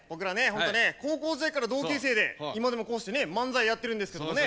ほんとね高校時代から同級生で今でもこうしてね漫才やってるんですけどもね。